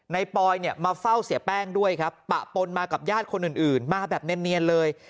ปอยเนี่ยมาเฝ้าเสียแป้งด้วยครับปะปนมากับญาติคนอื่นมาแบบเนียนเลย